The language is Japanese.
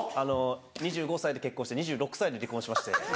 ２５歳で結婚して２６歳で離婚しまして。